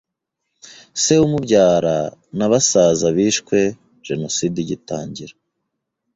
Se umubyara na basaza bishwe jenoside igitangira.